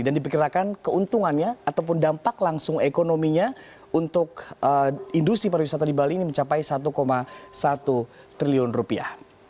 dan dipikirkan keuntungannya ataupun dampak langsung ekonominya untuk industri pariwisata di bali ini mencapai satu satu triliun rupiah